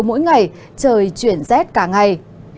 mỗi ngày trời chuyển rét cả ngày